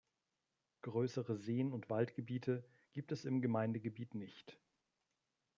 Größere Seen und Waldgebiete gibt es im Gemeindegebiet nicht.